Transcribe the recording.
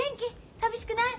寂しくない？